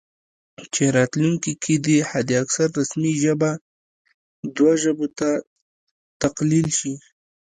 چې راتلونکي کې دې حد اکثر رسمي ژبې دوه ژبو ته تقلیل شي